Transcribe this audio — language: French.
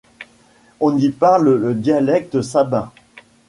On y parle le dialecte sabin.